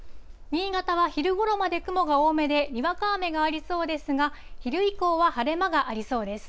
新潟は昼ごろまで雲が多めで、にわか雨がありそうですが、昼以降は晴れ間がありそうです。